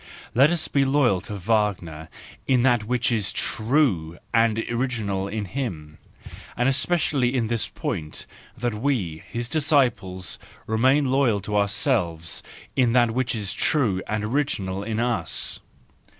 Let us be loyal to Wagner in that which is true and original in him,—and especially in this point, that we, his disciples, remain loyal THE JOYFUL WISDOM, II 137 to ourselves in that which is true and original in us.